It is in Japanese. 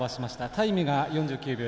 タイムが４９秒０２。